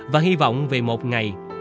và hy vọng về một ngày